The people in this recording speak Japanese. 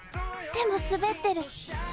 でも滑ってる。